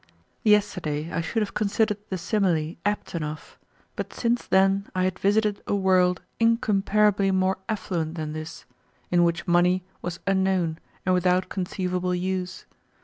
Yesterday I should have considered the simile apt enough, but since then I had visited a world incomparably more affluent than this, in which money was unknown and without conceivable use.